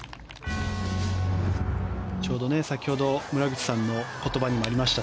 ちょうど先ほど村口さんの言葉にもありました